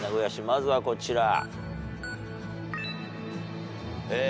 まずはこちら。